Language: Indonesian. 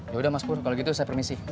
ya udah mas pur kalau gitu saya permisi